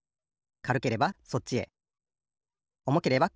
かるければそっち。